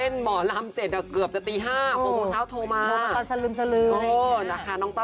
เว้าค์